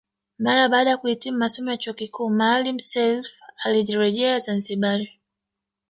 Mara baada ya kuhitimu masomo ya chuo kikuu Maalim Self alirejea Zanzibari